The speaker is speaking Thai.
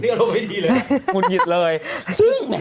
นี่อารมณ์ไม่ดีเลยมุนหยิดเลย